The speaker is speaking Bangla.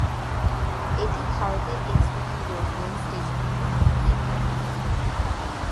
এটি ভারতের 'এ' শ্রেণির রেলওয়ে স্টেশনগুলির মধ্যে একটি।